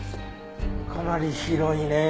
かなり広いね。